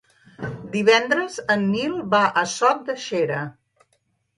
Divendres en Nil va a Sot de Xera.